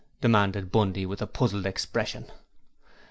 demanded Bundy, with a puzzled expression.